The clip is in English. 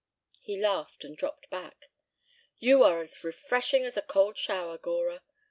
He laughed and dropped back. "You are as refreshing as a cold shower, Gora.